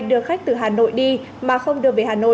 đưa khách từ hà nội đi mà không đưa về hà nội